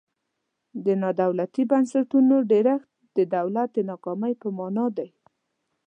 د نا دولتي بنسټونو ډیرښت د دولت د ناکامۍ په مانا دی.